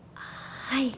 はい。